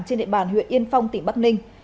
trên địa bàn huyện yên phong tỉnh bắc ninh